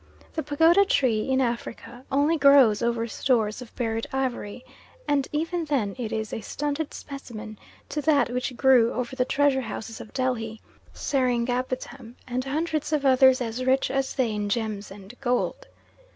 The pagoda tree in Africa only grows over stores of buried ivory, and even then it is a stunted specimen to that which grew over the treasure houses of Delhi, Seringapatam, and hundreds of others as rich as they in gems and gold.